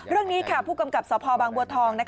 เรื่องนี้ค่ะผู้กำกับสพบางบัวทอง